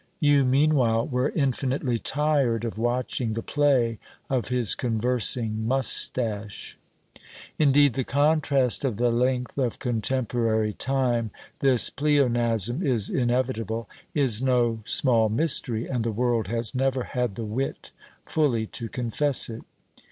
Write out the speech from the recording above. You, meanwhile, were infinitely tired of watching the play of his conversing moustache. Indeed, the contrast of the length of contemporary time (this pleonasm is inevitable) is no small mystery, and the world has never had the wit fully to confess it.